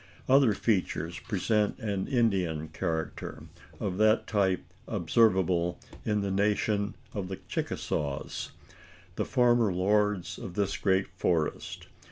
Other features present an Indian character, of that type observable in the nation of the Chicasaws the former lords of this great forest.